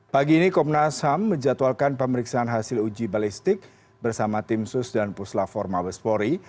pagi ini komnas ham menjatuhkan pemeriksaan hasil uji balistik bersama tim sus dan pusla forma bespori